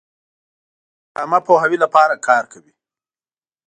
رسنۍ د عامه پوهاوي لپاره کار کوي.